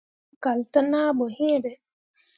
Tǝmmi kal te naa ɓoyin.